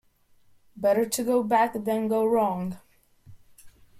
Better to go back than go wrong.